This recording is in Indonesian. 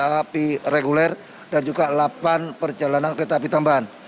kereta api reguler dan juga delapan perjalanan kereta api tambahan